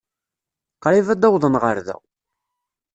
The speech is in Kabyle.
Qrib ad d-awḍen ɣer da.